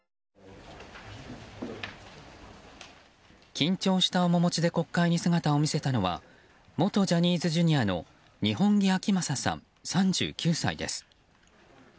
緊張した面持ちで国会に姿を見せたのは元ジャニーズＪｒ．の二本樹顕理さん、３９歳です。